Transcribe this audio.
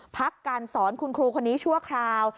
พักการสอนคุณครูคนนี้ชั่วคราว